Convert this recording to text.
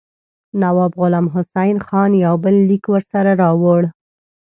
نواب غلام حسین خان یو بل لیک ورسره راوړ.